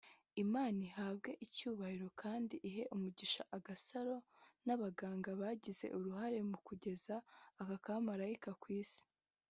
Imana ihabwe icyubahiro kandi ihe umugisha Agasaro n’abaganga bagize uruhare mu kugeza aka kamarayika ku Isi